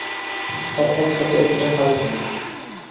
তার এক হাতে একটি হারিকেন।